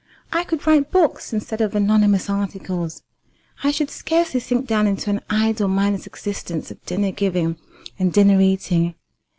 I could write books instead of anonymous articles. I should scarcely sink down into an idle mindless existence of dinner giving and dinner eating.